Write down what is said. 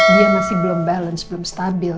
dia masih belum balance belum stabil